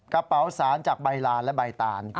กระเป๋าสารจากใบลานและใบตาล